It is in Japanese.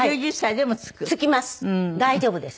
大丈夫です。